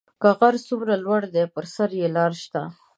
که غر څومره لوړ دی پر سر یې لار شته